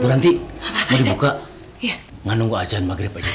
berhenti mau dibuka nggak nunggu ajaran maghrib aja